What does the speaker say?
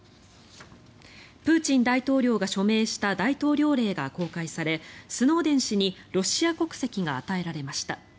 プーチン大統領が署名した大統領令が公開されスノーデン氏にロシア国籍が与えられました。